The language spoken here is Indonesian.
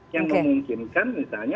yang memungkinkan misalnya